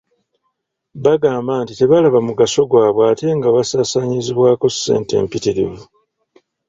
Bagamba nti tebalaba mugaso gwabwe ate nga basaasaanyizibwako ssente mpitirivu.